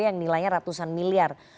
yang nilainya ratusan miliar